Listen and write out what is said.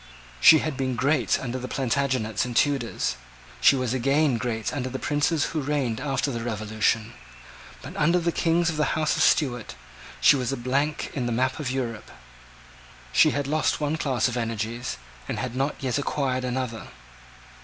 She had been great under the Plantagenets and Tudors: she was again great under the princes who reigned after the Revolution: but, under the Kings of the House of Stuart, she was a blank in the map of Europe. She had lost one class of energies, and had not yet acquired another.